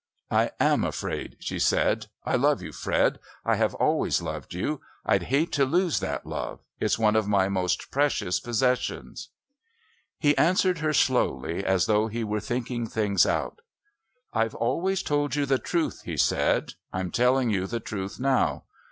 "I am afraid," she said. "I love you, Fred; I have always loved you. I'd hate to lose that love. It's one of my most precious possessions." He answered her slowly, as though he were thinking things out. "I've always told you the truth," he said; "I'm telling you the truth now.